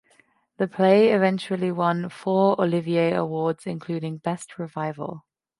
The play eventually won four Olivier Awards including Best Revival.